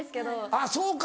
あっそうか。